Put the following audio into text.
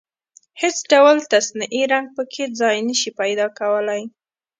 هېڅ ډول تصنعي رنګ په کې ځای نشي پيدا کولای.